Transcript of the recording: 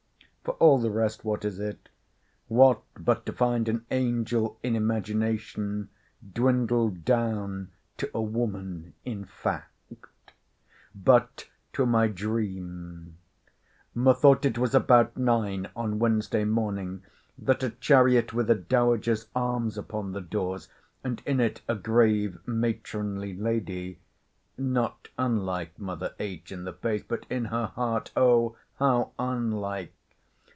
—For all the rest, what is it?—What but to find an angel in imagination dwindled down to a woman in fact?——But to my dream—— Methought it was about nine on Wednesday morning that a chariot, with a dowager's arms upon the doors, and in it a grave matronly lady [not unlike mother H. in the face; but, in her heart, Oh! how unlike!